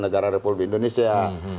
negara republik indonesia